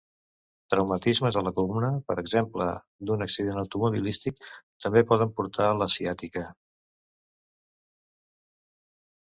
Traumatismes a la columna, per exemple d'un accident automobilístic, també poden portar a la ciàtica.